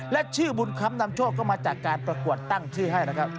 และชื่อบุญคำนำโชคก็มาจากการประกวดตั้งชื่อให้นะครับ